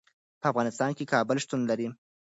په افغانستان کې کابل شتون لري.